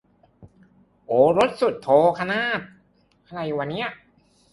โอรสสุทโธนาค